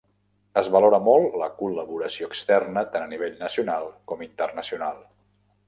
Es valora molt la col·laboració externa tant a nivell nacional com internacional.